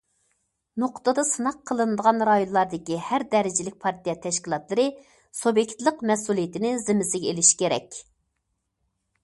نۇقتىدا سىناق قىلىنىدىغان رايونلاردىكى ھەر دەرىجىلىك پارتىيە تەشكىلاتلىرى سۇبيېكتلىق مەسئۇلىيىتىنى زىممىسىگە ئېلىشى كېرەك.